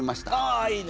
あいいね。